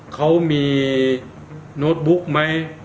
เขามีโน้ตบุ๊กไหม